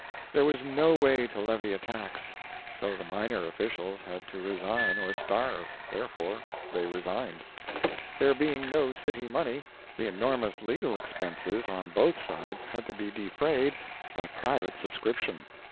There was no way to levy a tax, so the minor officials had to resign or starve; therefore they resigned. There being no city money, the enormous legal expenses on both sides had to be defrayed by private subscription.